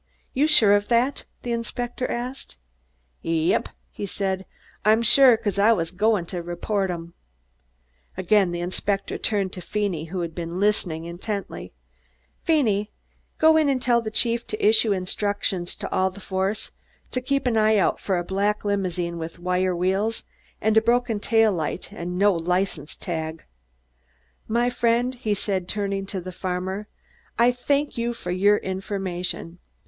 "You're sure of that?" the inspector asked. "Yep!" he said, "I'm sure, 'cause I was goin' to report 'em." Again the inspector turned to Feeney, who had been listening intently. "Feeney, go in and tell the chief to issue instructions to all the force to keep an eye out for a black limousine with wire wheels, a broken tail light and no license tag! My friend," he said, turning to the farmer, "I thank you for your information.